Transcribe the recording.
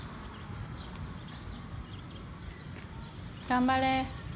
頑張れ。